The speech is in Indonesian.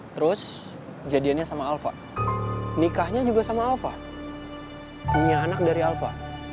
terus jadiannya sama alva nikahnya juga sama alva punya anak dari alva